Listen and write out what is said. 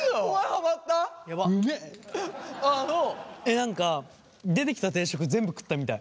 何か出てきた定食全部食ったみたい。